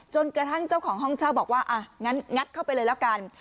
กระทั่งเจ้าของห้องเช่าบอกว่าอ่ะงั้นงัดเข้าไปเลยแล้วกัน